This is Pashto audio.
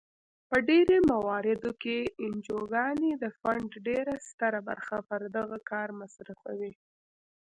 په ډیری مواردو کې انجوګانې د فنډ ډیره ستره برخه پر دغه کار مصرفوي.